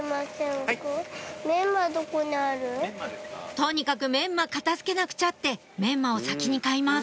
とにかくメンマ片付けなくちゃってメンマを先に買います